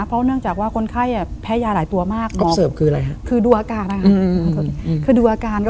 เพราะเนื่องจากว่าคนไข้แพ้ยาหลายตัวมากคือดูอาการนะคะ